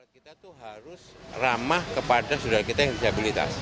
kita tuh harus ramah kepada saudara kita yang disabilitas